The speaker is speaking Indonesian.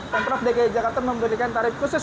kontraf dki jakarta membedakan tarif khusus